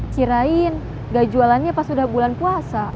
kirain gak jualannya pas udah bulan puasa